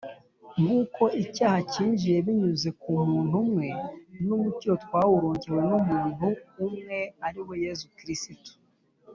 Nk’uko icyaha cyinjiye binyuze ku muntu umwe n’umukiro twawuronkewe n’Umuntu umwe ariwe Yezu Kirisitu